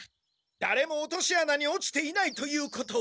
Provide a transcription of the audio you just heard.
だれも落とし穴に落ちていないということは。